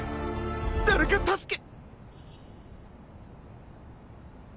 誰か助け。